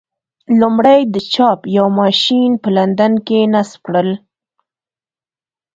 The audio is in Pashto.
لومړی د چاپ یو ماشین په لندن کې نصب کړل.